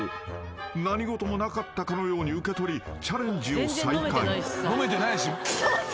［何事もなかったかのように受け取りチャレンジを再開］